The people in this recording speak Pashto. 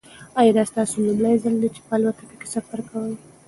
ایا دا ستاسو لومړی ځل دی چې په الوتکه کې سفر کوئ؟